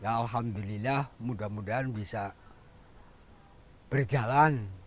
ya alhamdulillah mudah mudahan bisa berjalan